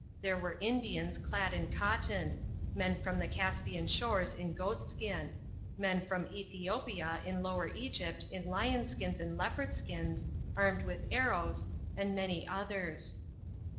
There were Indians clad in cotton ; men from the Caspian shores in goat skin ; men from Ethiopia in Lower Egypt in lion skins and leopard skins, armed with arrows, and many others.